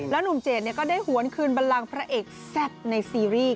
แล้วหนุ่มเจดเนี่ยก็ได้หวนคืนบัลลังค์พระเอกแซ่บในซีรีส์